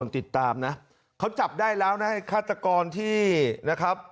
ติดตามนะเขาจับได้แล้วนะไอ้ฆาตกรที่นะครับ